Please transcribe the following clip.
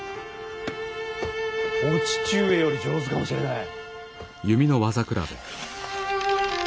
お父上より上手かもしれない。